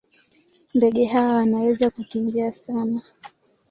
Ndege hawa wanaweza kukimbia sana.